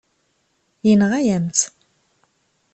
Yenɣa-yam-tt.